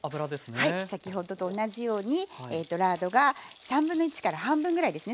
はい先ほどと同じようにラードが1/3から半分ぐらいですね